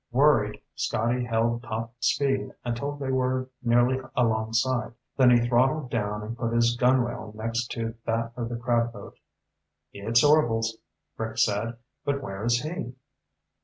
Worried, Scotty held top speed until they were nearly alongside, then he throttled down and put his gunwale next to that of the crab boat. "It's Orvil's," Rick said. "But where is he?"